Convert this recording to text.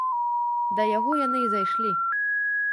Да яго яны і зайшлі.